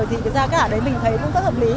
thì cái giá cả đấy mình thấy cũng rất hợp lý